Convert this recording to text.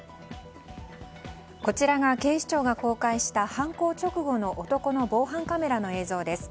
こちらが警視庁が公開した犯行直後の男の防犯カメラの映像です。